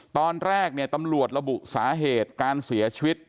ตอนแรกเนี่ยตำรวจระบุสาเหตุการเสียชีวิต